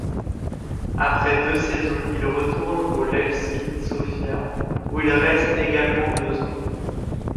Après deux saisons, il retourne au Levski Sofia, où il reste également deux ans.